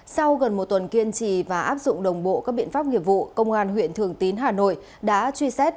sau gần một tuần kiên trì và áp dụng đồng bộ các biện pháp nghiệp vụ công an huyện thường tín hà nội đã truy xét